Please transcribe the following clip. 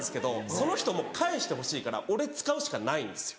その人も返してほしいから俺使うしかないんですよ。